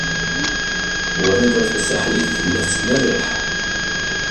Wrida Tasaḥlit tella tettmerriḥ.